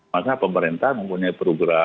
maka pemerintah mempunyai program